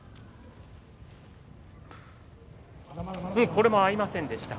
これも合いませんでした。